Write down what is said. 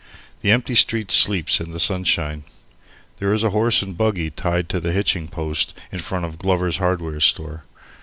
The empty street sleeps in the sunshine. There is a horse and buggy tied to the hitching post in front of Glover's hardware store.